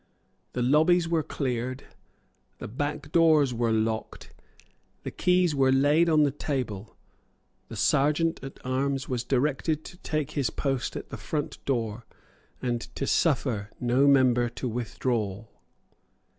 The lobbies were cleared; the back doors were locked; the keys were laid on the table; the Serjeant at Arms was directed to take his post at the front door, and to suffer no member to withdraw.